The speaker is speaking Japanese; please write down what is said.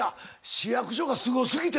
市役所がすご過ぎてな。